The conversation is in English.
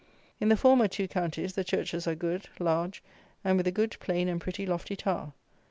In the former two counties the churches are good, large, and with a good, plain, and pretty lofty tower.